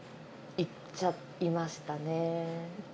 言っちゃいました。